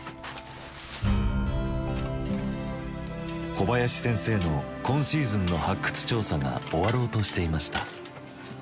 小林先生の今シーズンの発掘調査が終わろうとしていました。